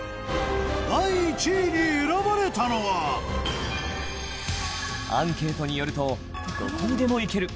第１位に選ばれたのはアンケートによると「どこにでも行ける。